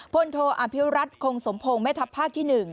โทอภิวรัฐคงสมพงศ์แม่ทัพภาคที่๑